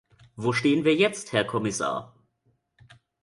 Wo stehen wir jetzt, Herr Kommissar?